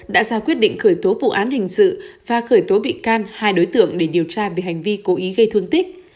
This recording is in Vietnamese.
đã ra quyết định khởi tố vụ án hình sự và khởi tố bị can hai đối tượng để điều tra về hành vi cố ý gây thương tích